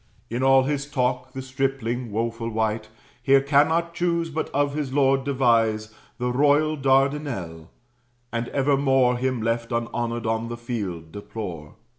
In all his talk, the stripling, woeful wight, Here cannot choose, but of his lord devise, The royal Dardinel; and evermore Him left unhonored on the field, deplore.